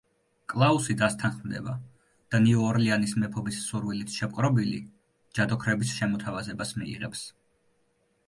კლაუსი დასთანხმდება და ნიუ ორლეანის მეფობის სურვილით შეპყრობილი, ჯადოქრების შემოთავაზებას მიიღებს.